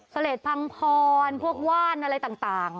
สเลศพังผลว่านอะไรต่าง